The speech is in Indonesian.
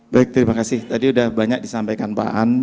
baik terima kasih tadi sudah banyak disampaikan pak an